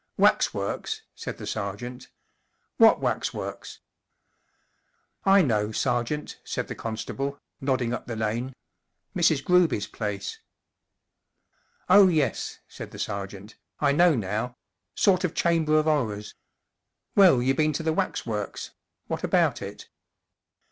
44 Waxworks ?" said the sergeant. 44 What waxworks ?" 44 I know, sergeant," said the constable, nodding up the lane. 44 Mrs. Groby's place." 44 Oh, yes," said the sergeant, 44 1 know now. Sort of chamber of 'orrors. Well, you been to the waxworks. What about it